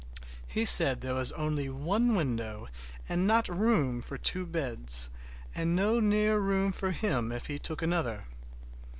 He said there was only one window and not room for two beds, and no near room for him if he took another.